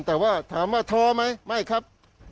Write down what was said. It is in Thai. แต่ว่าถามว่าท้อไหมไม่ครับ